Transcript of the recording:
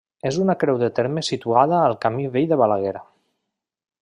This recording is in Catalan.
És una creu de terme situada al camí vell de Balaguer.